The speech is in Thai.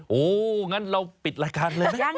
โหงั้นเราปิดรายการเลยนะ